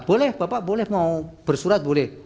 boleh bapak boleh mau bersurat boleh